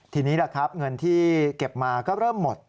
ทีนี้แหละครับเงินที่เก็บมาก็เริ่มหมด